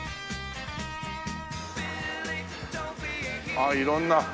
ああ色んな。